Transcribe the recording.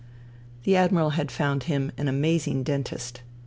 The Admiral had found him an amazing dentist.